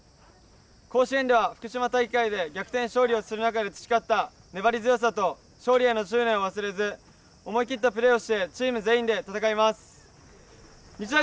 甲子園では福島大会で逆転勝利をする中で培った粘り強さと勝利への執念を忘れず思い切ったプレーをしてチーム全員で戦います。